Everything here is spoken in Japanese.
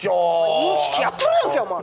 インチキやっとるやんけお前！